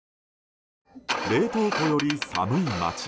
冷凍庫より寒い町。